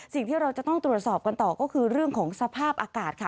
สิ่งที่เราจะต้องตรวจสอบกันต่อก็คือเรื่องของสภาพอากาศค่ะ